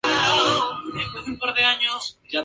Tras un tiempo de retiro, fue sustituido por su primo Manuel.